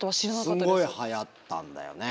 すんごいはやったんだよね。